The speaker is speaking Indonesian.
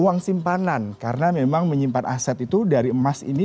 uang simpanan karena memang menyimpan aset itu dari emas ini